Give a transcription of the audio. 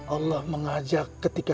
allah mengajak ketika